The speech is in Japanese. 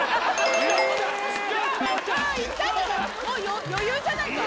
もう余裕じゃないか？